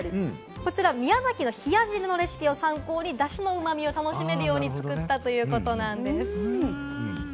宮崎の冷や汁のレシピを参考にダシの旨味を楽しめるように作ったということです。